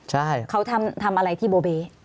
ใช่เขาทำอะไรที่โบเบ